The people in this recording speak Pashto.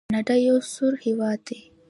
کاناډا یو سوړ هیواد دی.